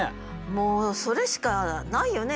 もうそれしかないよね